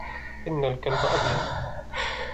إن الكلب أبيض.